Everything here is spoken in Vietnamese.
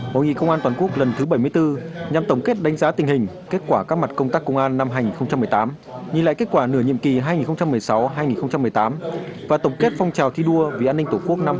hội nghị công an toàn quốc lần thứ bảy mươi bốn nhằm tổng kết đánh giá tình hình kết quả các mặt công tác công an năm hai nghìn một mươi tám nhìn lại kết quả nửa nhiệm kỳ hai nghìn một mươi sáu hai nghìn một mươi tám và tổng kết phong trào thi đua vì an ninh tổ quốc năm hai nghìn một mươi chín